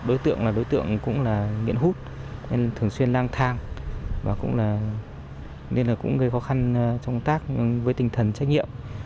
đối tượng cũng nghiện hút thường xuyên lang thang nên cũng gây khó khăn trong công tác với tình thần trách nhiệm